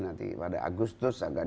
nanti pada agustus akan kita lihat